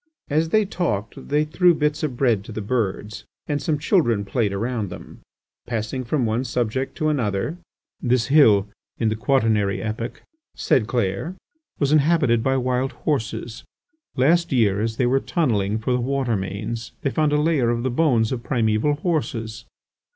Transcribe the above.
As they talked, they threw bits of bread to the birds, and some children played around them. Passing from one subject to another: "This hill, in the quaternary epoch," said Clair, "was inhabited by wild horses. Last year, as they were tunnelling for the water mains, they found a layer of the bones of primeval horses."